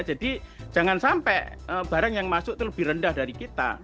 jangan sampai barang yang masuk itu lebih rendah dari kita